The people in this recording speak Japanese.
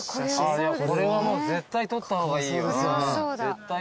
これはもう絶対撮った方がいい。